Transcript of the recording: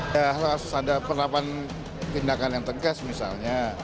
kalau ada penerapan tindakan yang tegas misalnya